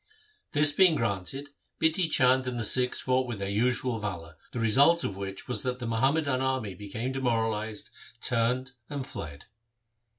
This being granted, Bidhi Chand and the Sikhs fought with their usual valour, the result of which was that the Muhammadan army became demoralized, turned, and fled.